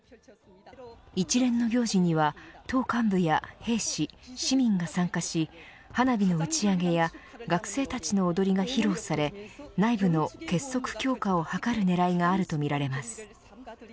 一連の行事には、党幹部や兵士市民が参加し花火の打ち上げや学生たちの踊りが披露され内部の結束強化を図る狙いがあるとみられます。